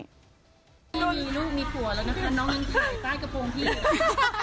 พี่มีลูกมีผัวแล้วนะคะน้องยังถ่ายใต้กระโปรงพี่เลย